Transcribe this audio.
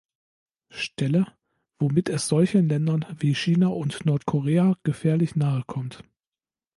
Stelle, womit es solchen Ländern wie China und Nordkorea gefährlich nahe kommt.